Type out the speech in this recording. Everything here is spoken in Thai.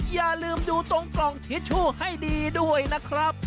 อย่าลืมดูตรงกล่องทิชชู่ให้ดีด้วยนะครับ